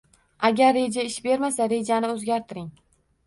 Agar reja ish bermasa, rejani o’zgartiring